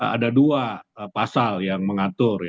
ada dua pasal yang mengatur